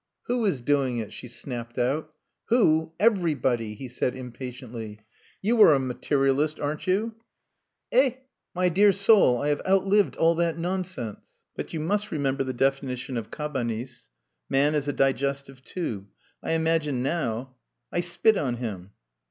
"Who is doing it?" she snapped out. "Who? Everybody," he said impatiently. "You are a materialist, aren't you?" "Eh! My dear soul, I have outlived all that nonsense." "But you must remember the definition of Cabanis: 'Man is a digestive tube.' I imagine now...." "I spit on him."